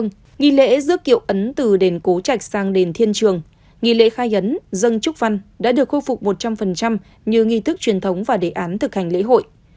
trong nghi lễ dước kiệu ấn từ đền cố trạch sang đền thiên trường nghi lễ khai ấn dân trúc văn đã được khôi phục một trăm linh như nghi thức truyền thống và đề án thực hành lễ hội